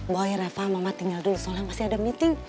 boy reva mama tinggal dulu soalnya masih ada meeting